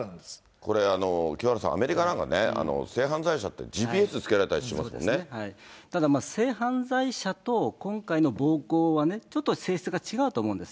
これ、清原さん、アメリカなんかね、性犯罪者って、ＧＰＳつただ性犯罪者と今回の暴行はね、ちょっと性質が違うと思うんです。